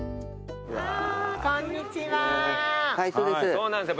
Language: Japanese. そうなんですよ